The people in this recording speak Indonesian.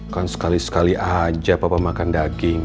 kan sekali sekali aja papa makan daging